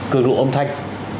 cường độ âm thanh